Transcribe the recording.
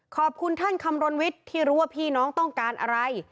ขอบคุณท่านคำรณวิทย์ที่รู้ว่าพี่น้องต้องการอะไร